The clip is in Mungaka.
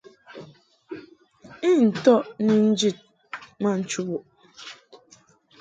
I ntɔʼ ni njid ma nchubuʼ.